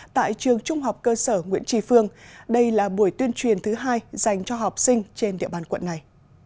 tại trường trung học cơ sở nguyễn trì phương đây là buổi tuyên truyền thứ hai dành cho học sinh trên địa bàn quận này